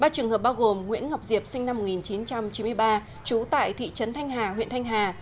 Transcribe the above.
ba trường hợp bao gồm nguyễn ngọc diệp sinh năm một nghìn chín trăm chín mươi ba trú tại thị trấn thanh hà huyện thanh hà